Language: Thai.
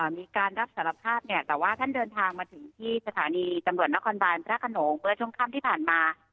มีการรับสารภาพเนี่ยแต่ว่าท่านเดินทางมาถึงที่สถานีตำรวจนครบานพระขนงเมื่อช่วงค่ำที่ผ่านมา